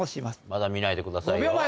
まだ見ないでくださいよ。